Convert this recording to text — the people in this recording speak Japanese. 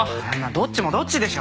どっちもどっちでしょ！